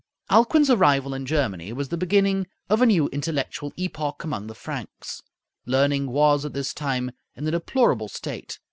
Alcuin's arrival in Germany was the beginning of a new intellectual epoch among the Franks. Learning was at this time in a deplorable state.